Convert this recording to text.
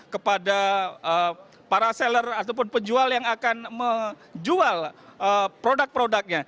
kepada para seller ataupun penjual yang akan menjual produk produknya